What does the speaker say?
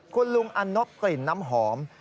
คุณลุงอันนบกลิ่นน้ำหอม